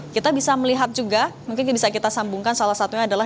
kita bisa melihat juga mungkin bisa kita sambungkan salah satunya adalah